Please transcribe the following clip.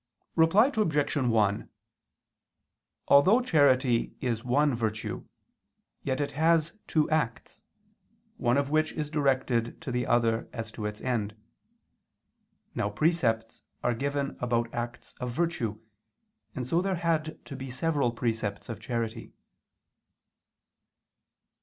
Reply Obj. 1: Although charity is one virtue, yet it has two acts, one of which is directed to the other as to its end. Now precepts are given about acts of virtue, and so there had to be several precepts of charity.